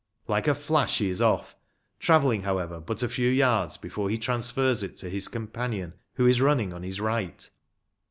Like a flash he is off, travelling, however, but a few yards before he transfers it to his companion, who is running on his right.